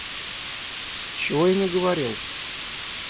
Чего я не говорил?